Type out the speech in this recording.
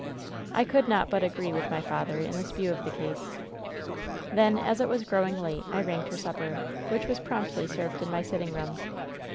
"I could not but agree with my father in this vi^w of the case. "Then, as it was growing late, I rang for supper, which was promptly served in my sitting room.